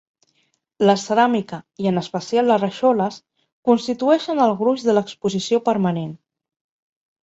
La ceràmica, i en especial les rajoles, constitueixen el gruix de l'exposició permanent.